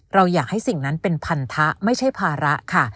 เราอยากให้สิ่งนั้นเป็นพันธะไม่ใช่ภาระค่ะ